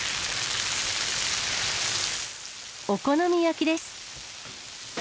お好み焼きです。